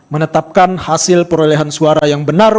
menetapkan hasil perolehan suara yang benar